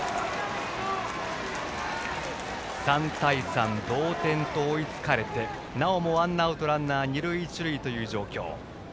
３対３、同点と追いつかれてなおもワンアウトランナー、二塁一塁という状況。